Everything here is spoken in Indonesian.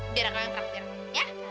biar aku yang terang terang ya